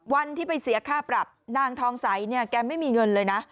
วันที่ไปเสียค่าปรับนางทองใสเนี่ยแกไม่มีเงินเลยนะ